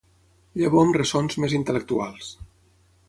Llavor amb ressons més intel·lectuals.